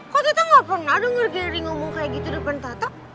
kok tata gak pernah denger garing ngomong kayak gitu depan tata